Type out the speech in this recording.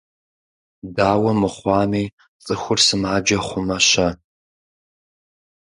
Дауэ мыхъуами цӀыхур сымаджэ хъумэ-щэ?